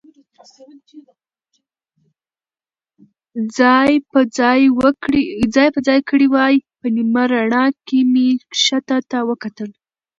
ځای پر ځای کړي وای، په نیمه رڼا کې مې کښته ته وکتل.